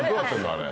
あれ。